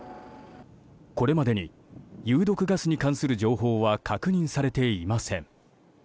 これまでに、有毒ガスに関する情報は確認されていません。